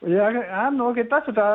ya kita sudah